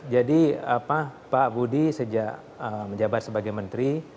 jadi pak budi sejak menjabat sebagai menteri